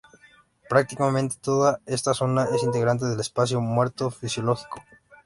Prácticamente toda esta zona es integrante del espacio muerto fisiológico.